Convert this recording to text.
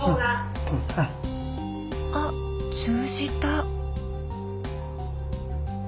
あっ通じた。